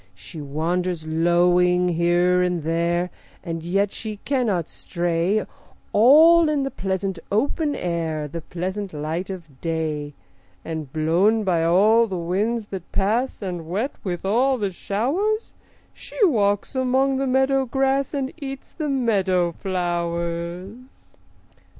She wanders lowing here and there, And yet she cannot stray, All in the pleasant open air, The pleasant light of day; And blown by all the winds that pass And wet with all the showers, She walks among the meadow grass And eats the meadow flowers.